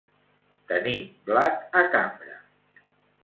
Tenir blat a cambra.